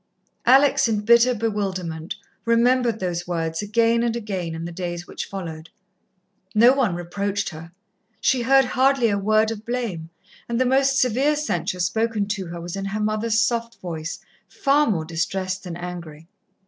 Alex, in bitter bewilderment, remembered those words again and again in the days which followed. No one reproached her, she heard hardly a word of blame, and the most severe censure spoken to her was in her mother's soft voice, far more distressed than angry.